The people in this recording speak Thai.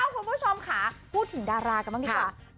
คุณผู้ชมค่ะพูดถึงดารากันบ้างดีกว่า